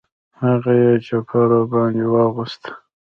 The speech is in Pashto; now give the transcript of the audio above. هغه یې چپه را باندې واغوست.